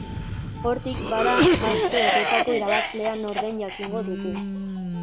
Hortik, bada, aste horretako irabazlea nor den jakingo dugu.